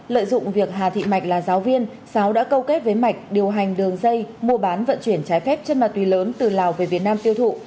lợi dụng việc hà thị mạch là giáo viên sáu đã câu kết với mạch điều hành đường dây mua bán vận chuyển trái phép chân ma túy lớn từ lào về việt nam tiêu thụ